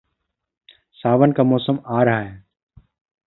सावन का मौसम आ रहा है।